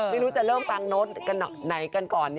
ไม่รู้จะเริ่มปังโน้ตไหนกันก่อน